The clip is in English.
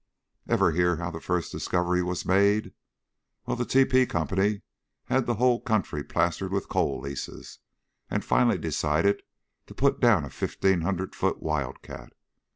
"Ever hear how the first discovery was made? Well, the T. P. Company had the whole country plastered with coal leases and finally decided to put down a fifteen hundred foot wildcat.